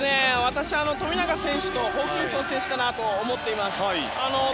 富永選手とホーキンソン選手かなと思っています。